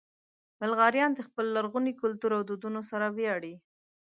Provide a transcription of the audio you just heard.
بلغاریان د خپل لرغوني کلتور او دودونو سره ویاړي.